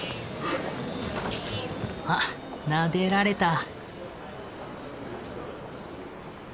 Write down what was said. あっなでられた。